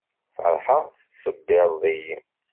Feṛḥeɣ tettṣebbiṛeḍ-iyi.